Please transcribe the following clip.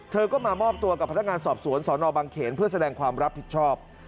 เธอก็มามอบตัวกับพนักงานสอบสวนสนบังเขนเพื่อแสดงความรับผิดชอบ